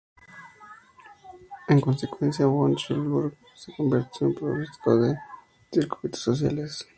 En consecuencia, von Schulenburg se convirtió en un proscrito en sus círculos sociales.